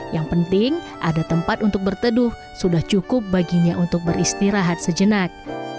yang penting ada tempat untuk berteduh sudah cukup baginya untuk beristirahat sejenak